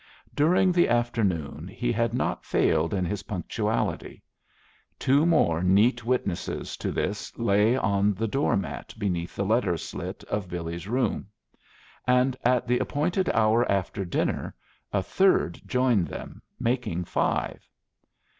During the afternoon he had not failed in his punctuality; two more neat witnesses to this lay on the door mat beneath the letter slit of Billy's room, And at the appointed hour after dinner a third joined them, making five.